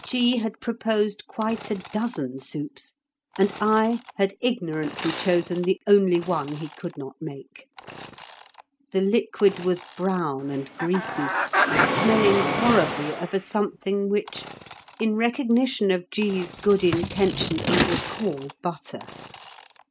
G. had proposed quite a dozen soups, and I had ignorantly chosen the only one he could not make. The liquid was brown and greasy, smelling horribly of a something which in recognition of G.'s good intention I will call butter.